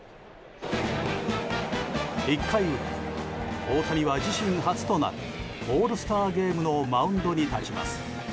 １回裏、大谷は自身初となるオールスターゲームのマウンドに立ちます。